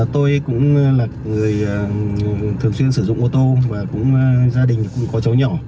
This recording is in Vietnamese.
tôi cũng là người thường xuyên sử dụng ô tô và cũng gia đình cũng có cháu nhỏ